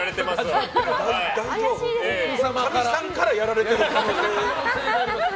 かみさんからやられてる可能性が。